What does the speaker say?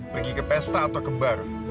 pergi ke pesta atau ke bar